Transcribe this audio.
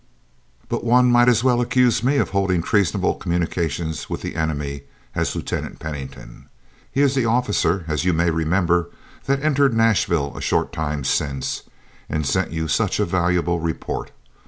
But one might as well accuse me of holding treasonable communications with the enemy as Lieutenant Pennington. He is the officer, as you may remember, that entered Nashville a short time since, and sent you such a valuable report.